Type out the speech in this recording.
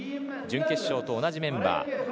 準決勝と同じメンバー。